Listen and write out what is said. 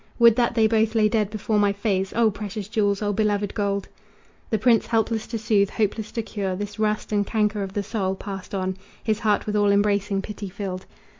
Would that they both lay dead before my face! O precious jewels! O beloved gold!" The prince, helpless to soothe, hopeless to cure This rust and canker of the soul, passed on, His heart with all embracing pity filled.